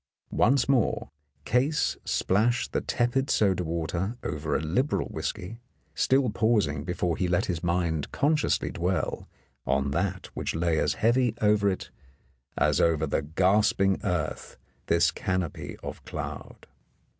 Once more Case splashed the tepid soda water over a liberal whisky, still pausing before he let his mind con sciously dwell on that which lay as heavy over it as over the gasping earth this canopy of cloud.